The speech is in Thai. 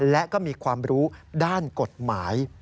และก็มีความรู้ด้านกฎหมาย